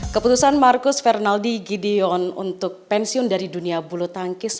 keputusan marcus fernaldi gideon untuk pensiun dari dunia bulu tangkis